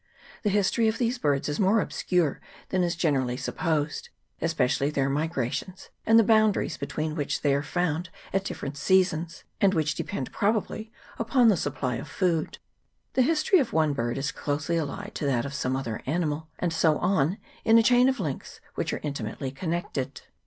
The history of these birds is more 22 COOK'S STRAITS. [PART. i. obscure than is generally supposed, especially their migrations, and the boundaries between which they are found at different seasons, and which depend, probably, upon the supply of food. The history of one bird is closely allied to that of some other animal, and so on in a chain the links of which are inti mately connected.